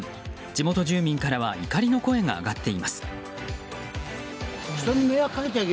地元住民からは怒りの声が上がっています。